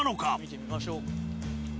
見てみましょう。